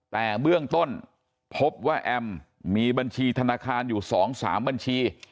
แต่เบื้องต้นพบว่าแอมมีบัญชีธนาคารอยู่๒๓บัญชี